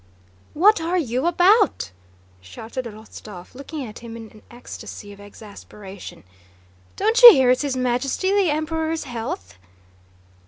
"What are you about?" shouted Rostóv, looking at him in an ecstasy of exasperation. "Don't you hear it's His Majesty the Emperor's health?"